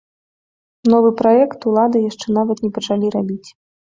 Новы праект улады яшчэ нават не пачалі рабіць.